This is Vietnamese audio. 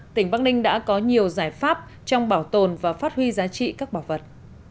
tỉnh bắc ninh đã có nhiều giải pháp trong bảo tồn và phát huy giá trị các bảo vật